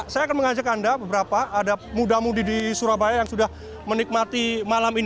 saya akan mengajak anda beberapa ada muda mudi di surabaya yang sudah berkumpul di depan panggung